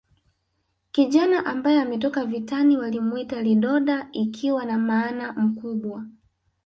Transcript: Kijana ambaye ametoka vitani walimwita lidoda ikiwa na maana mkubwa